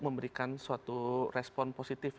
memberikan suatu respon positif